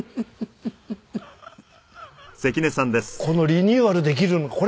このリニューアルできるの。